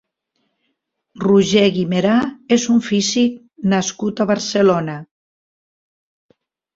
Roger Guimerà és un físic nascut a Barcelona.